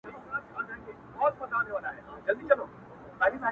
حتمآ به ټول ورباندي وسوځيږي!